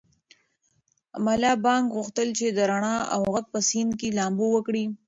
ملا بانګ غوښتل چې د رڼا او غږ په سیند کې لامبو وکړي.